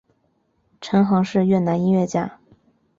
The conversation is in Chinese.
陈桓是越南音乐家。